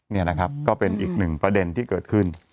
นี่นะครับก็เป็นอีกหนึ่งประเด็นที่เกิดขึ้น